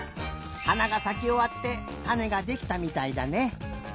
はながさきおわってたねができたみたいだね。